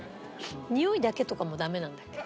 においだけとかもダメなんだっけ？